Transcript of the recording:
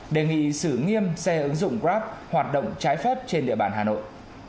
đề nghị xử nghiêm xe ứng dụng grab hoạt động trái phép trên địa bàn hà nội